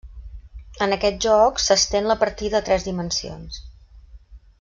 En aquest joc, s'estén la partida a tres dimensions.